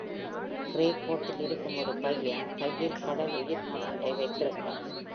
Grey கோட்டில் இருக்கும் ஒரு பையன் கையில் கடல் உயிரினம் ஒன்றை வைத்திருக்கிறான்.